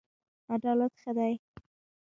عدالت ښه دی.